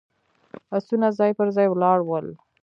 آسونه ځای پر ځای ولاړ ول.